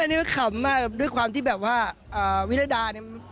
อันนี้ก็ขำด้วยความว่าวิรดา